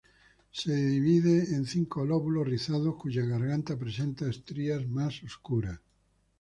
Se divide en cinco lóbulos rizados, cuya garganta presenta estrías más oscuras.